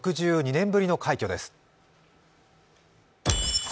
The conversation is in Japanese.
６２年ぶりの快挙です。